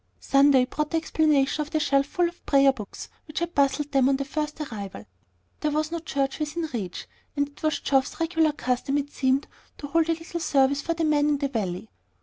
Sunday brought the explanation of the shelf full of prayer books which had puzzled them on their first arrival. There was no church within reach; and it was Geoff's regular custom, it seemed, to hold a little service for the men in the valley.